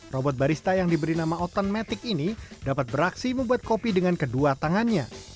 robot barista yang diberi nama otenmatic ini dapat beraksi membuat kopi dengan kedua tangannya